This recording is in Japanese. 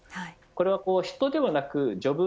これは人ではなくジョブ